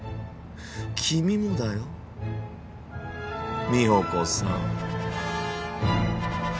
君もだよ美保子さん。